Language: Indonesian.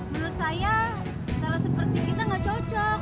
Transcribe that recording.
menurut saya salah seperti kita nggak cocok